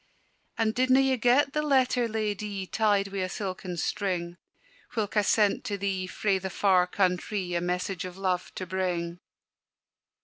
"And didna ye get the letter, Ladye, Tied wi' a silken string, Whilk I sent to thee frae the far countrie, A message of love to bring?"